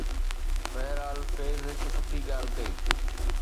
بهرحال، فيض هڪ سٺي ڳالهه ڪئي.